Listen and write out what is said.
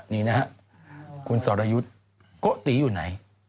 นี่นะฮะคุณสารยุทธ์โกะตีอยู่ไหน